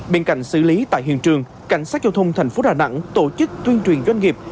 bên cạnh xử lý tại hiện trường cảnh sát giao thông thành phố đà nẵng tổ chức tuyên truyền doanh nghiệp